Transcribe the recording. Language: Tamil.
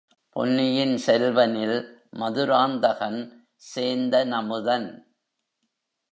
பொன்னியின் செல்வனில் மதுராந்தகன் சேந்தனமுதன்!